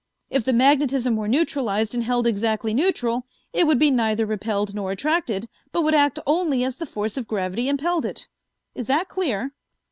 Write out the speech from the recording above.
If the magnetism were neutralized and held exactly neutral, it would be neither repelled nor attracted, but would act only as the force of gravity impelled it. Is that clear?"